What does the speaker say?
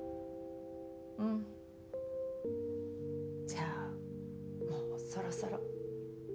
じゃあもうそろそろ。